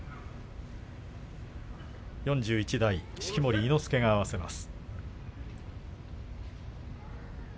４１代式守伊之助が合わせます。